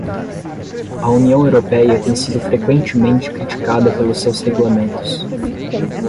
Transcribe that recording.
A União Europeia tem sido frequentemente criticada pelos seus regulamentos.